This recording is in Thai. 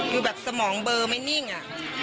คือแบบสมองเบอร์ไม่นิ่งอะ